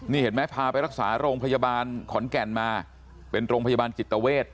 นี่เห็นไหมพาไปรักษาโรงพยาบาลขอนแก่นมาเป็นโรงพยาบาลจิตเวท